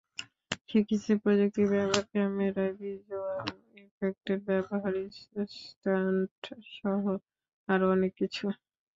শিখেছি প্রযুক্তির ব্যবহার, ক্যামেরায় ভিজ্যুয়াল এফেক্টের ব্যবহার, স্টান্টসহ আরও অনেক কিছু।